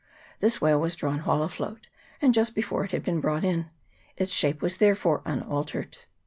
This whale was drawn while afloat, and just after it had been brought in ; its shape was therefore unaltered.